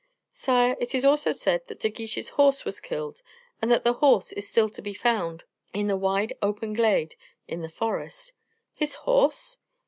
"Sire, it is also said that De Guiche's horse was killed and that the horse is still to be found in the wide open glade in the forest." "His horse?